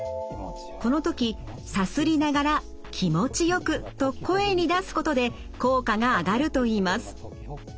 この時さすりながら「気持ちよく」と声に出すことで効果が上がるといいます。